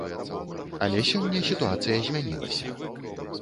Але сёння сітуацыя змянілася.